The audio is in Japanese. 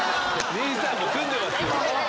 兄さん組んでます。